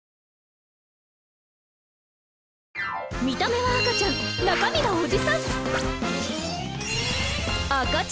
見た目は赤ちゃん中身はおじさん！